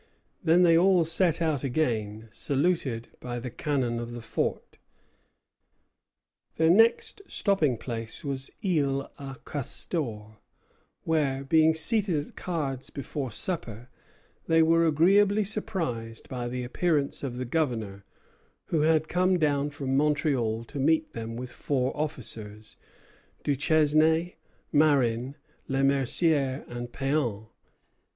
Then they all set out again, saluted by the cannon of the fort. Their next stopping place was Isle au Castor, where, being seated at cards before supper, they were agreeably surprised by the appearance of the Governor, who had come down from Montreal to meet them with four officers, Duchesnaye, Marin, Le Mercier, and Péan.